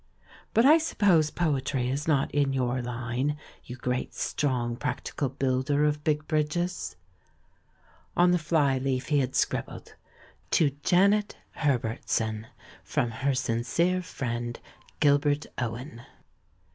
But I suppose poetry is not in your line, you great, strong, prac tical builder of big bridges? On the fly leaf he had scribbled, "To Janet Herbertson, from her sincere friend, Gilbert Owen."